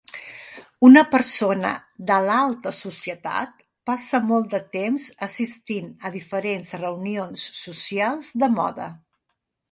Una persona de l'alta societat passa molt de temps assistint a diferents reunions socials de moda.